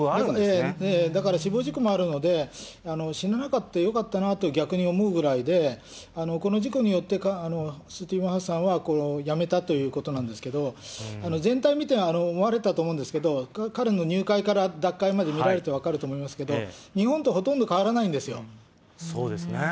だから死亡事故もあるので、死ななくてよかったなって逆に思うぐらいで、この事故によってスティーブン・ハッサンは辞めたということなんですけど、全体を見て、思われたと思うんですけど、彼の入会から脱会まで見られて分かると思いますけれども、日本とほとんど変わらないんですよ。